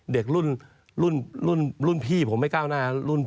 เด็กรุ่นพี่ผมไม่ก้าวหน้ารุ่น